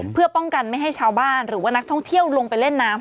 เพื่อป้องกันไม่ให้ชาวบ้านหรือว่านักท่องเที่ยวลงไปเล่นน้ำ